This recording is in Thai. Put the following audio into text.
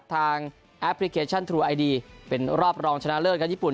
แอปพลิเคชันทรูไอดีเป็นรอบรองชนะเลิศครับญี่ปุ่น